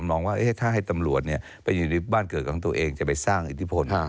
มองว่าถ้าให้ตำรวจไปอยู่ในบ้านเกิดของตัวเองจะไปสร้างอิทธิพล